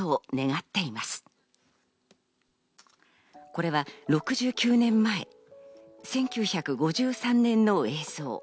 これは６９年前、１９５３年の映像。